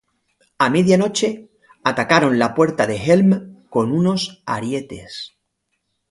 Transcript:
A media noche, atacaron la Puerta de Helm con unos arietes.